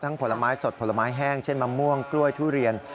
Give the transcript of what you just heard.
ผลไม้สดผลไม้แห้งเช่นมะม่วงกล้วยทุเรียน